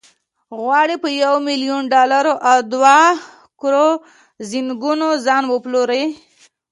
غواړي په یو میلیون ډالرو او دوه کروزینګونو ځان وپلوري.